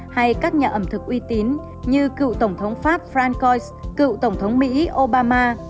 hay các nhà ẩm thực uy tín như cựu tổng thống pháp francoin cựu tổng thống mỹ obama